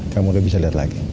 kamu udah bisa lihat lagi